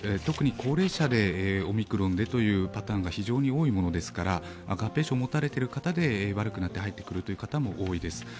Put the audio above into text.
特に高齢者でオミクロンでというパターンが非常に多いものですから合併症を持たれている方で悪くなって入ってくる方も多いです。